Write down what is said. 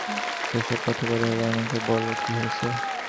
সে-সব কথা পরে হবে, আমাকে বলো কী হয়েছে।